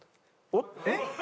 えっ？